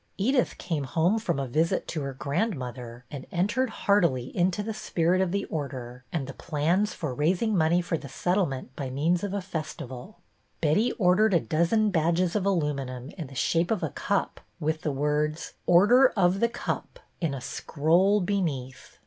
,| Edith came home from a visit to her grand |•• I mother and entered heartily into the spirit of « the Order and the plans for raising money | for the Settlement by means of a festival. | Betty ordered a dozen badges of aluminum in the shape of a cup, with the words, " Order /.j of The Cup " in a scroll beneath.